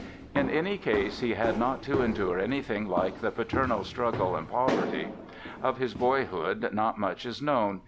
In any case he had not to endure anything like the paternal struggles and poverty. Of his boyhood not much is known.